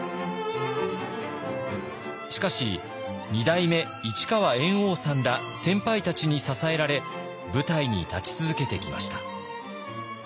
しかし二代目市川猿翁さんら先輩たちに支えられ舞台に立ち続けてきました。